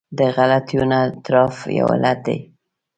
د غلطیو نه اعتراف یو علت دی.